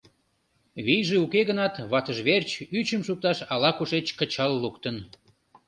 Вийже уке гынат, ватыж верч ӱчым шукташ ала-кушеч кычал луктын.